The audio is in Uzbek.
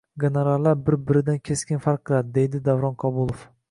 Gonorarlar bir-biridan keskin farq qiladi, — deydi Davron Kabulov